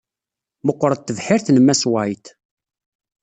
Meqqṛet tebḥirt n Mass White.